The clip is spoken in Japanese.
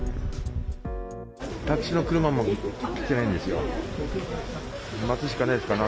タクシーの車も来てないんですよ。